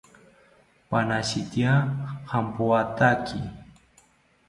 Panashitya jampoathaki